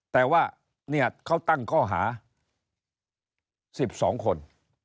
แต่ว่าเขาตั้งข้อหา๑๒คน